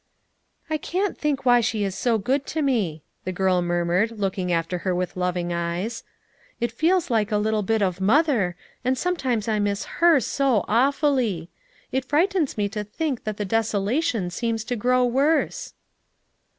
"I can't think why she is so good to me," the girl murmured looking after her with lov ing eyes. "It feels like a little bit of mother, and sometimes I miss her so awfully! It frightens me to think that the desolation seems to grow worse."